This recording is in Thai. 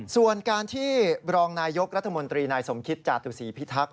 ส่วนการที่รองนายยกรัฐมนตรีนายสมคิตจาตุศีพิทักษ